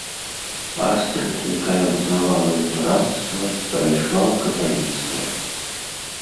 Астрыд, якая вызнавала лютэранства, перайшла ў каталіцтва.